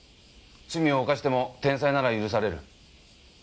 罪を犯しても天才なら許される。